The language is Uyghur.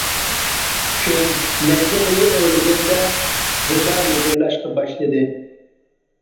كۈن نەيزە بويى ئۆرلىگەندە زىبا مىدىرلاشقا باشلىدى.